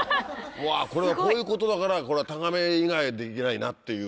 うわこれこういうことだからタガメ以外できないなっていう。